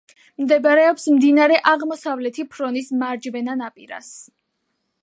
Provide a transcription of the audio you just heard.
მდებარეობს მდინარე აღმოსავლეთი ფრონის მარჯვენა ნაპირას.